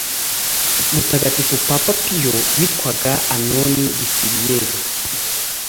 mutagatifu papa piyo witwaga antoni gisiliyeri